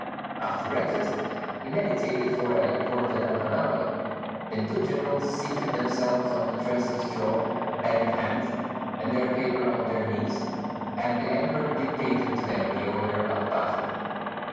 After breakfast he meditated for a quarter of an hour; then two generals seated themselves on the truss of straw, pen in hand and their paper on their knees, and the Emperor dictated to them the order of battle.